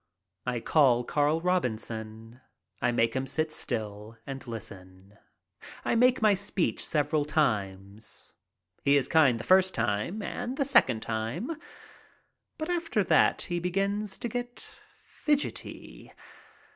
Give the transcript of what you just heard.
I call Carl Robinson. I make him sit still and listen. I make my speech several times. He is kind the first time and the second time, but after that he begins to get fidgety.